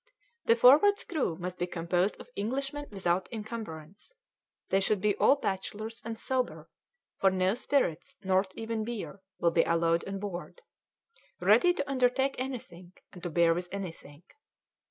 The Forward's crew must be composed of Englishmen without incumbrance; they should be all bachelors and sober for no spirits, nor even beer, will be allowed on board ready to undertake anything, and to bear with anything.